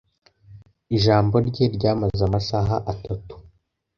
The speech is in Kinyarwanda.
Ijambo rye ryamaze amasaha atatu.